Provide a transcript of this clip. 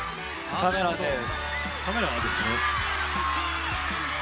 カメラです。